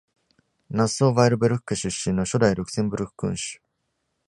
ナッソー・ヴァイルブルク家出身の初代ルクセンブルク君主。